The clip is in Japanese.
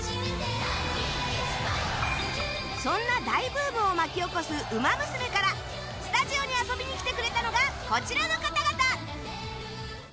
そんな大ブームを巻き起こす「ウマ娘」からスタジオに遊びに来てくれたのがこちらの方々！